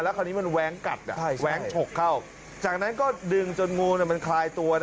คราวนี้มันแว้งกัดแว้งฉกเข้าจากนั้นก็ดึงจนงูมันคลายตัว